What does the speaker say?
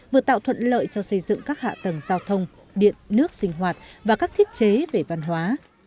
vừa tạo thuận lợi cho xây dựng các hạ tầng giao thông điện nước sinh hoạt và các thiết chế về văn hóa